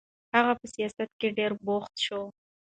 هغه په سیاست کې ډېر بوخت شو.